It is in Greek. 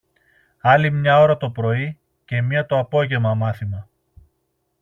Άλλη μια ώρα το πρωί και μια το απόγεμα, μάθημα.